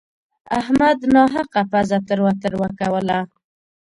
احمد ناحقه پزه تروه تروه کوله.